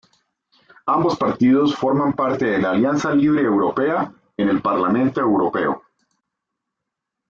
Ambos partidos forman parte de la Alianza Libre Europea en el Parlamento Europeo.